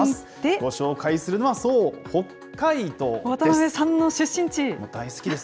ご紹介するのは、そう、北海道です。